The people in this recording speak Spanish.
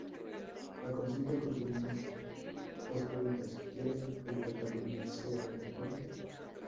La consulta contenía dos preguntas: "¿Quiere que Cataluña sea un Estado?